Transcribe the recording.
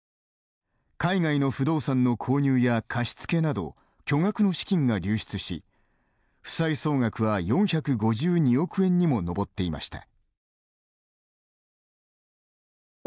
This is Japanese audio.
海外の不動産の購入や貸し付けなど巨額の資金が流出し負債総額は４５２億円にも上っていました。